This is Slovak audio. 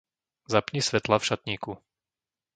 Zapni svetlá v šatníku.